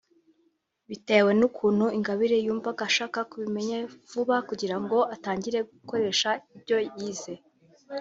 Bitewe n’ukuntu Ingabire yumvaga ashaka kubimenya vuba kugira ngo atangire gukoresha ibyo yize